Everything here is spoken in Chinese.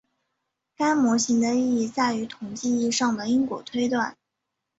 该模型的意义在于统计意义上的因果推断。